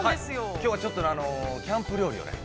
◆きょうはちょっと、キャンプ料理をね。